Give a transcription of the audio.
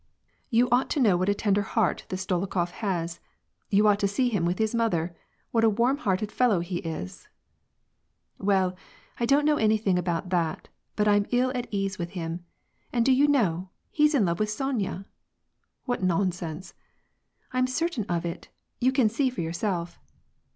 " You ought to know WAR AND PEACE. 45 what a tender heart this Dolokhof has, you ought to see him with his mother ! what a warm hearted fellow he is !"" Well, I don't know anything about that, but I'm ill at ease with him. And do you know, he's in love with Sonya ?"" What nonsense "—" I'm certain of it, you can see for jrourself."